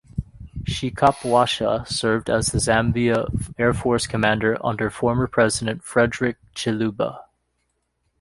Shikapwasha served as the Zambia Air Force Commander under former president Frederick Chiluba.